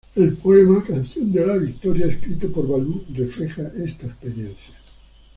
El poema "Canción de la Victoria", escrito por Ballou, refleja esta experiencia.